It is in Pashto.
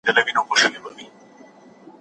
تاریخي کرکټرونه ولې په دومره بې انصافۍ قضاوت کېږي؟